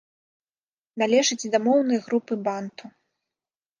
Належыць да моўнай групы банту.